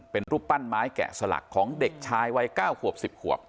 เป็นรูปปั้นไม้แกะสลักของเด็กชายวัย๙ขวบ๑๐ขวบ